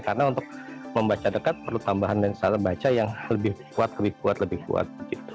karena untuk membaca dekat perlu tambahan lensa baca yang lebih kuat lebih kuat lebih kuat